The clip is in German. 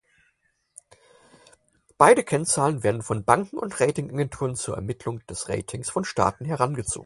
Beide Kennzahlen werden von Banken und Ratingagenturen zur Ermittlung des Ratings von Staaten herangezogen.